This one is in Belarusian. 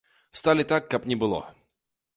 Сталі так, каб не было.